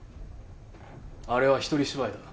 あれは一人芝居だ。